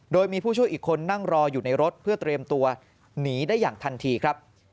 โดยมีผู้ช่วยอีกคนนั่งรออยู่ในรถเพื่อเตรียมตัวหนีได้อย่างทันทีครับ